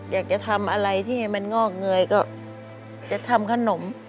อยากจะทำอะไรที่มันงอกเงยก็จะทำขนม